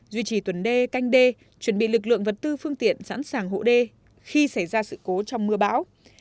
duy trì tuần đê canh đê chuẩn bị lực lượng vật tư phương tiện sẵn sàng hộ đê khi xảy ra sự cố trong mưa bão